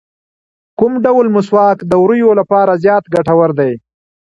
کوم ډول مسواک د ووریو لپاره زیات ګټور دی؟